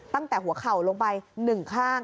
ตั้งแต่หัวเข่าลงไป๑ข้าง